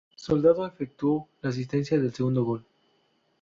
Soldado efectuó la asistencia del segundo gol.